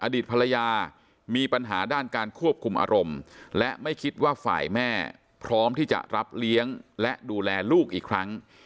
อดีตภรรยามีปัญหาด้านการควบคุมอารมณ์และไม่คิดว่าฝ่ายแม่พร้อมที่จะรับเลี้ยงและดูแลลูกอีกครั้ง